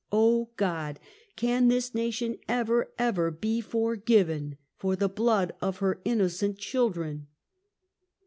Oh! God! Can this nation ever, ever be forgiven for the blood of her innocent children?'